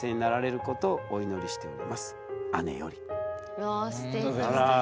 うわすてき。